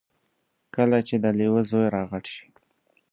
کله چې د لیوه زوی را غټ شي.